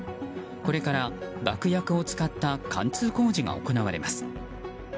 これから爆薬を使った貫通工事が行われます。